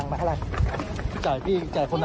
พระพี่